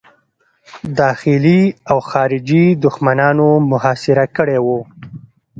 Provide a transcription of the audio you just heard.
داخلي او خارجي دښمنانو محاصره کړی وو.